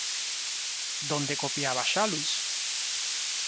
¿Dónde copiaba Shallus?